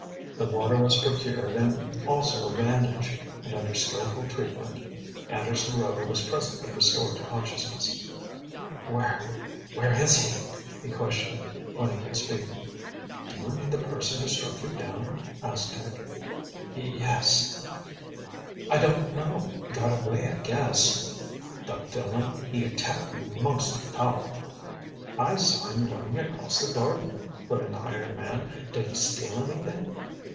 The water was procured, and also a bandage, and under skillful treatment, Anderson Rover was presently restored to consciousness. "Where where is he?" he questioned, when he could speak. "Do you mean the person who struck you down?" asked Dick. "Ye yes." "I don't know. Got away, I guess." "The villain! He attacked me most foully!" "I saw him running across the garden," put in the hired man. "Did he steal anything?"